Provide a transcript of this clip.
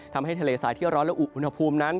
ทำให้ทะเลสายที่ร้อนและอุอุณหภูมินั้น